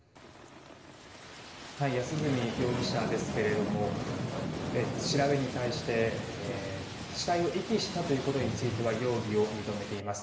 安栖容疑者ですけれども調べに対して死体を遺棄したことについては容疑を認めています。